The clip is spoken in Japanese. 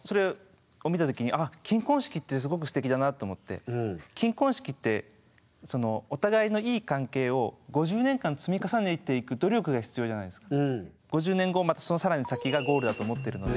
それとあの金婚式ってお互いのいい関係を５０年間積み重ねていく努力が必要じゃないですか。